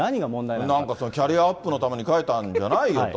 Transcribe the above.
なんかキャリアアップのために書いたんじゃないよと。